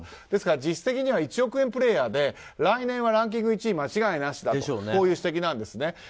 ですから実質的には１億円プレーヤーで来年はランキング１位間違いなしという指摘なんです。